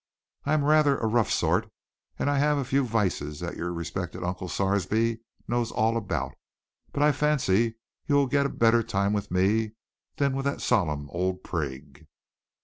I am rather a rough sort, and I have a few vices that your respected uncle Sarsby knows all about, but I fancy you will get a better time with me than with that solemn old prig.